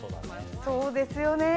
そうですよね。